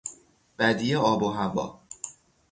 بدی آب و هوا